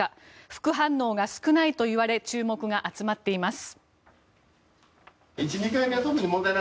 副反応が少ないといわれ注目が集まっています。